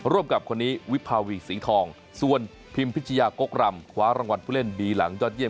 ร่วมกับคนนี้วิกภาวีสีทองส่วนพิมพิจิยากลิปหลังกอรัมคว้ารางวัลผู้เล่นบีหลังยอดเสี่ยง